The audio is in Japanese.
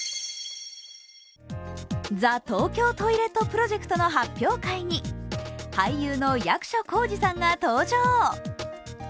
ＴＨＥＴＯＫＹＯＴＯＩＬＥＴプロジェクトの発表会に俳優の役所広司さんが登場。